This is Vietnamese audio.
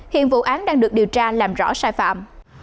hiện vụ án đang được điều tra làm rõ sai phạm